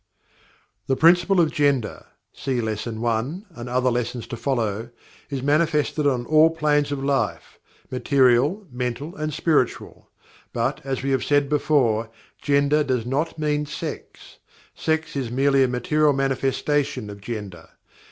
The Principle of Gender (see Lesson I. and other lessons to follow) is manifested on all planes of life, material mental and spiritual. But, as we have said before, "Gender" does not mean "Sex" sex is merely a material manifestation of gender.